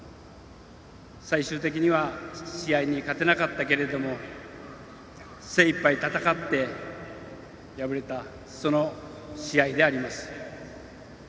最終的には試合に勝てなかったけれども精いっぱい戦って敗れたその試合であります。